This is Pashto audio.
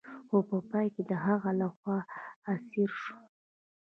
خو په پای کې د هغه لخوا اسیر شو.